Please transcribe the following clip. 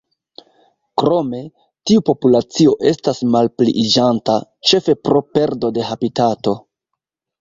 Krome, tiu populacio estas malpliiĝanta, ĉefe pro perdo de habitato.